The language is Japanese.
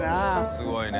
すごいね。